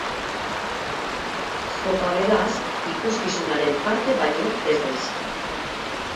Zopa beraz, ikuskizunaren parte baino ez da izango.